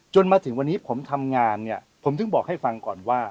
มาถึงวันนี้ผมทำงานเนี่ยผมถึงบอกให้ฟังก่อนว่า